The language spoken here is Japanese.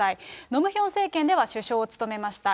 ノ・ムヒョン政権では首相を務めました。